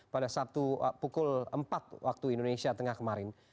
pada sabtu pukul empat waktu indonesia tengah kemarin